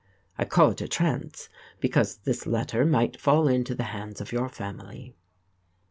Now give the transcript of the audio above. I call it a trance because this letter might fall into the hands of your family.